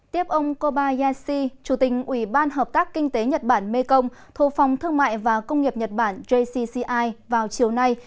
tiếp ông kobayashi chủ tình ủy ban hợp tác kinh tế nhật bản mekong thuộc phòng thương mại và công nghiệp nhật bản jcci vào chiều nay